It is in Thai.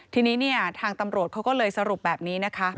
ทีนี้เนี่ยทางตำรวจเขาก็เลยสรุปแบบนี้นะคะ